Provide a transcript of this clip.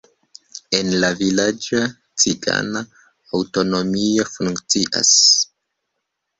En la vilaĝo cigana aŭtonomio funkcias.